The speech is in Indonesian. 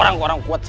yang maha kuasa